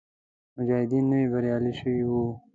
مجاهدین نوي بریالي شوي وو.